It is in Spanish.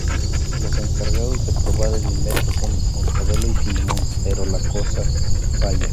Los encargados de probar el invento son Mortadelo y Filemón, pero la cosa falla.